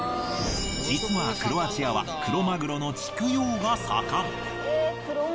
実はクロアチアはクロマグロの養が盛ん。